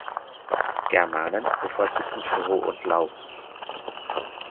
Germanen bevorzugten Stroh und Laub.